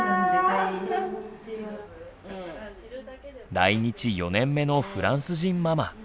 来日４年目のフランス人ママ。